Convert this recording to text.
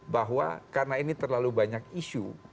bahwa karena ini terlalu banyak isu